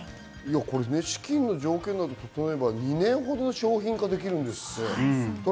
資金の条件など整えば２年ほどで商品化できるんですって。